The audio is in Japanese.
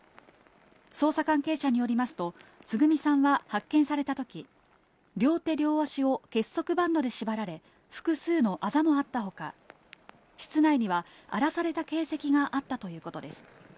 捜査関係者によりますと、つぐみさんは発見されたとき、両手、両足を結束バンドで縛られ、複数のあざもあったほか、室内には荒らされた形跡があったということです。